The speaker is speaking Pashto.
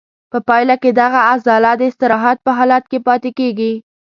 په پایله کې دغه عضله د استراحت په حالت کې پاتې کېږي.